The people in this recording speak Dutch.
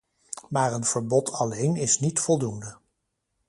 Maar een verbod alleen is niet voldoende.